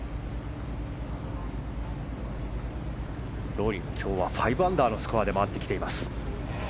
ロウリーも今日は５アンダーのスコアで回ってきています。